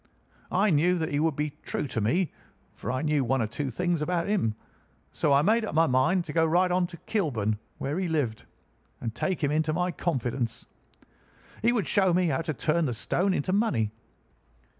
I knew that he would be true to me, for I knew one or two things about him; so I made up my mind to go right on to Kilburn, where he lived, and take him into my confidence. He would show me how to turn the stone into money.